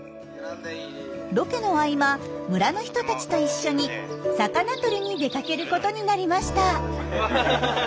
ロケの合間村の人たちと一緒に魚取りに出かけることになりました。